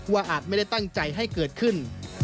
อาจไม่ได้ตั้งใจให้เกิดขึ้น